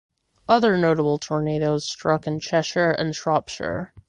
Other notable tornadoes struck in Cheshire and Shropshire.